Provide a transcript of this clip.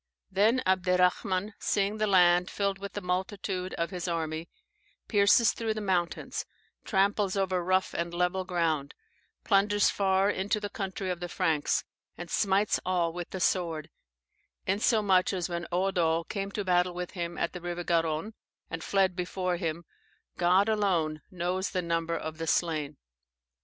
"] "Then Abderrahman, seeing the land filled with the multitude of his army, pierces through the mountains, tramples over rough and level ground plunders far into the country of the Franks, and smites all with the sword, insomuch that when Eudo came to battle with him at the river Garonne, and fled before him, God alone knows the number of the slain.